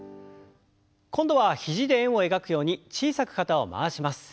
今度は肘で円を描くように小さく肩を回します。